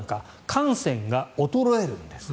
汗腺が衰えるんです。